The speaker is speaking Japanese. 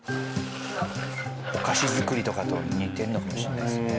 お菓子作りとかと似てるのかもしれないですね。